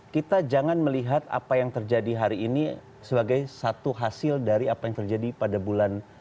kita jangan melihat apa yang terjadi hari ini sebagai satu hasil dari apa yang terjadi pada tahun dua ribu tujuh belas